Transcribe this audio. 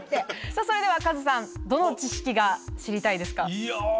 さぁそれではカズさんどの知識が知りたいですか？